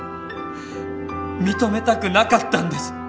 認めたくなかったんです！